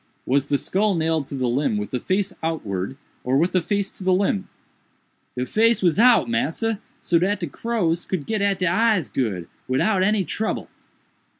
was the skull nailed to the limb with the face outwards, or with the face to the limb?" "De face was out, massa, so dat de crows could get at de eyes good, widout any trouble."